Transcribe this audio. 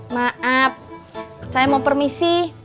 maaf saya mau permisi